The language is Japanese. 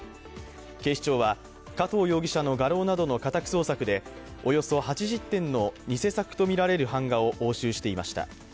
警視庁は加藤容疑者の画廊などの家宅捜索でおよそ８０点の偽作とみられる版画を押収していました。